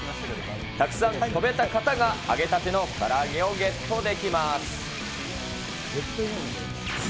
たくさん跳べた方が揚げたてのから揚げをゲットできます。